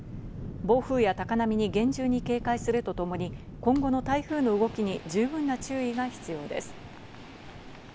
暴風や高波に厳重に警戒するとともに今後の台風の動きに十分な注意が必要です。